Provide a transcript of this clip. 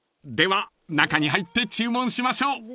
では中に入って注文しましょう］